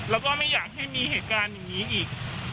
แล้วก็ไม่อยากให้มีเหตุการณ์อย่างนี้อีก